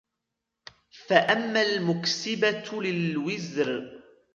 فَأَمَّا الْمُكْسِبَةُ لِلْوِزْرِ